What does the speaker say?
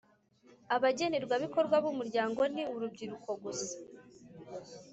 Abagenerwabikorwa b umuryango ni urubyiruko gusa